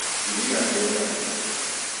Dini yape ni ya duu.